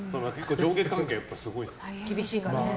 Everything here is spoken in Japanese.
上下関係すごいんですか？